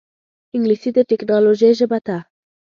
انګلیسي د ټکنالوجۍ ژبه ده